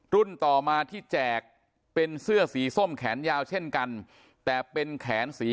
ต่อมาที่แจกเป็นเสื้อสีส้มแขนยาวเช่นกันแต่เป็นแขนสี